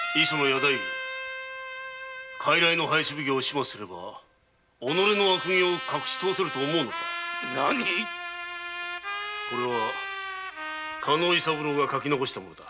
太夫傀儡の奉行を始末すれば己の悪行を隠しとおせると思うのかこれは加納伊三郎が書き遺した物だ。